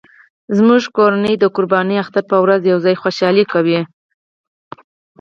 زموږ کورنۍ د قرباني اختر په ورځ یو ځای خوشحالي کوي